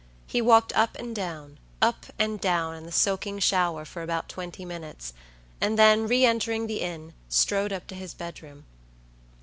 He walked up and down, up and down, in the soaking shower for about twenty minutes, and then, re entering the inn, strode up to his bedroom.